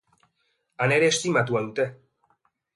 Han ere estimatua dute.